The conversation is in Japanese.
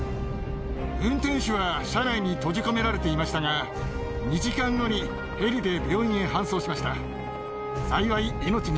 運転手は車内に閉じ込められていましたが、２時間後にヘリで病院へ搬送しました。